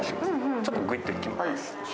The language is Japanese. ちょっとグイッといきます。